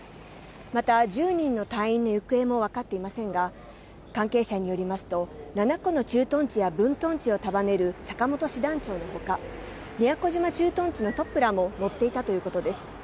また１０人の隊員の行方も分かっていませんが、関係者によりますと、７個の駐屯地や分屯地を束ねる坂本師団長のほか、宮古島駐屯地のトップらも乗っていたということです。